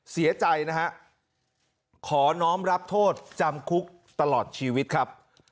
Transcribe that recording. เสียใจนะฮะขอน้องรับโทษจำคุกตลอดชีวิตครับ